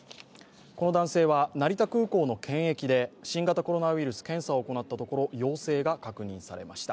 この男性は成田空港の検疫で新型コロナウイルスの検査を行ったところ陽性が確認されました。